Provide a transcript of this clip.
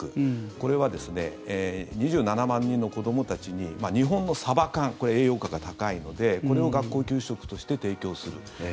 これは２７万人の子どもたちに日本のサバ缶これ、栄養価が高いのでこれを学校給食として提供する。